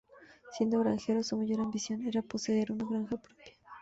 Siendo granjero, su mayor ambición era poseer una granja propia.